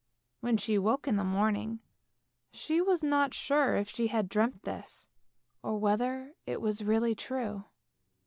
When she woke in the morning she was not sure if she had dreamt this, or whether it was really true.